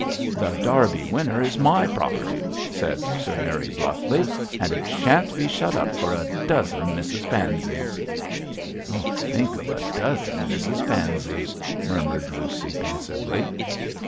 'The Derby Winner is my property,' said Sir Harry, bluffly, 'and it sha'n't be shut up for a dozen Mrs Panseys.' 'Think of a dozen Mrs Panseys,' murmured Lucy, pensively.